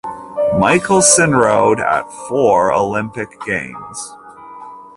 Michaelsen rode at four Olympic Games.